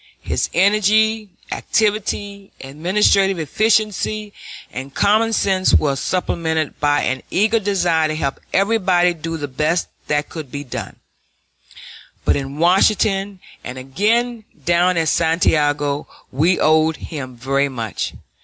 His energy, activity, administrative efficiency, and common sense were supplemented by an eager desire to help everybody do the best that could be done. Both in Washington and again down at Santiago we owed him very much.